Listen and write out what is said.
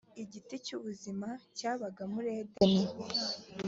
igiti cy’ubuzima cyabaga muri edeni